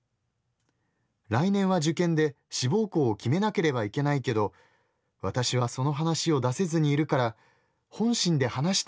来年は受験で志望校を決めなければいけないけど私はその話を出せずにいるから本心で話したいというのが願い」。